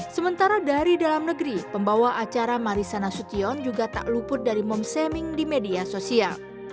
sementara dari dalam negeri pembawa acara marisana sution juga tak luput dari mom shaming di media sosial